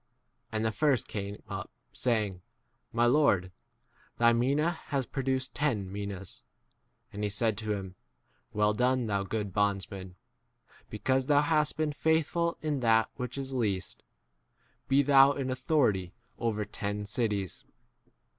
* And the first came up, saying, [My] Lord, thy mina has produced ten minas. W And he said to him, Well [done], thou good bondsman ; because thou hast been faithful in that which is least, be thou in autho 18 rity over ten cities.